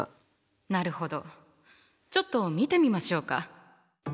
なるほどちょっと見てみましょうか。